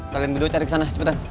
kalian berdua cari kesana cepetan